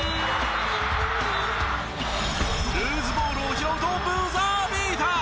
ルーズボールを拾うとブザービーター。